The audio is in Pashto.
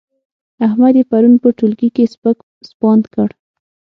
احمد يې پرون په ټولګي کې سپک سپاند کړ.